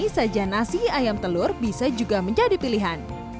sajian nasi ayam telur bisa juga menjadi pilihan